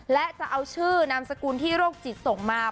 และจะเอาชื่อนามสกุลที่โรคจิตส่งมา